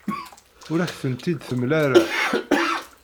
Ur ak-tent-id-temla ara.